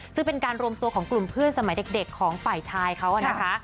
ซึ่งเป็นการรวมตัวของกลุ่มเพื่อนสมัยเด็กของฝ่ายชายเขานะคะ